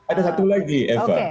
ada satu lagi eva